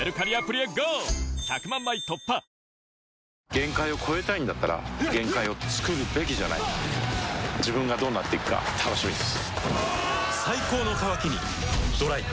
限界を越えたいんだったら限界をつくるべきじゃない自分がどうなっていくか楽しみです